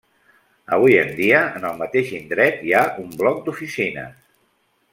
Avui en dia, en el mateix indret, hi ha un bloc d'oficines.